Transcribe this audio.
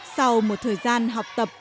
sau một thời gian học tập